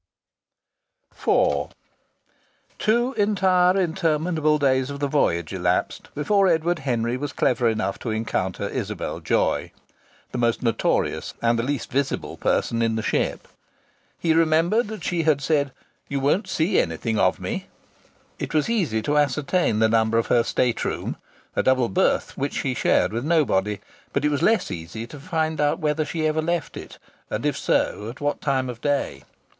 IV Two entire interminable days of the voyage elapsed before Edward Henry was clever enough to encounter Isabel Joy the most notorious and the least visible person in the ship. He remembered that she had said: "You won't see anything of me." It was easy to ascertain the number of her state room a double berth which she shared with nobody. But it was less easy to find out whether she ever left it, and if so, at what time of day.